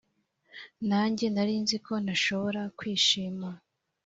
nange narinzi ko ntashobora kwishima